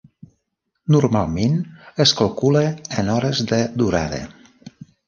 Normalment es calcula en hores de durada.